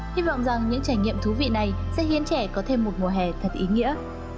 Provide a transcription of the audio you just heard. hy vọng rằng những trải nghiệm thú vị này sẽ khiến trẻ có thêm một mùa hè thật ý nghĩa